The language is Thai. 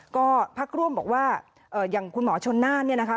ก็พักร่วมบอกว่าอย่างคุณหมอชนน่านเนี่ยนะคะ